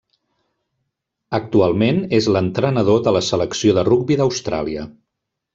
Actualment és l'entrenador de la selecció de rugbi d'Austràlia.